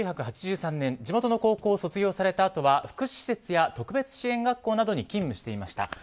１９８３年、地元の高校を卒業されたあとは福祉施設や特別支援学校などに勤務していました。